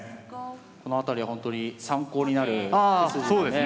この辺りはほんとに参考になる手筋ですね。